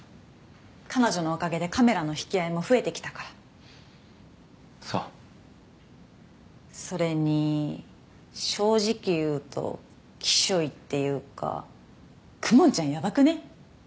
彼女のおかげでカメラの引き合いも増えてきたからそうそれに正直言うときしょいっていうか公文ちゃんやばくね？